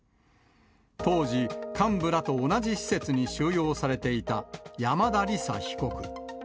当時、幹部らと同じ施設に収容されていた山田李沙被告。